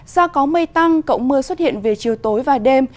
do có mây tăng cộng mưa xuất hiện về chiều tối và đêm